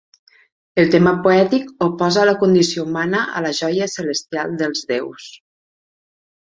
El tema poètic oposa la condició humana a la joia celestial dels déus.